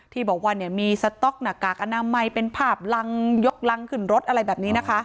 ที่บอกว่าเนี่ยมีสต๊อกหน้ากากอนามัยเป็นภาพรังยกรังขึ้นรถอะไรแบบนี้นะคะ